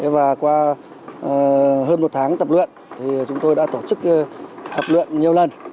và qua hơn một tháng tập luyện thì chúng tôi đã tổ chức hợp luyện nhiều lần